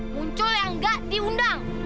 muncul yang gak diundang